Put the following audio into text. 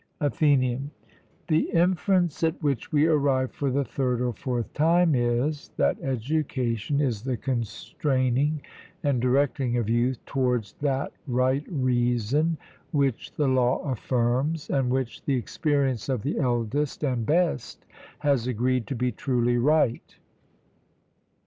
ATHENIAN: The inference at which we arrive for the third or fourth time is, that education is the constraining and directing of youth towards that right reason, which the law affirms, and which the experience of the eldest and best has agreed to be truly right.